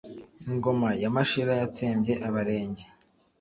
Ingoma ya Mashira yatsembe Abarenge